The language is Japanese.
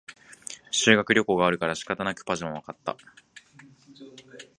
修学旅行があるから仕方なくパジャマを買った